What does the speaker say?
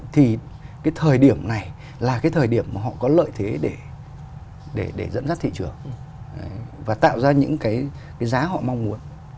thì cái thời điểm này là cái thời điểm mà họ có lợi thế để dẫn dắt thị trường và tạo ra những cái giá họ mong muốn